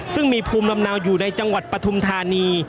ซึ่งมีภูมิลำเนาอยู่ในจังหวัดปฐุมธานี